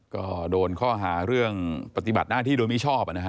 ก็โดนข้อหาเรื่องปฏิบัติหน้าที่โดยมิชอบ